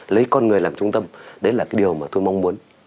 lấy con người làm trung tâm đấy là điều mà tôi mong muốn